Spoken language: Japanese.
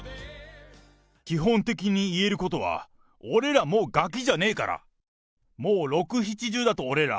基本的に言えることは、俺らもうガキじゃねえから、もう６、７０だと俺ら。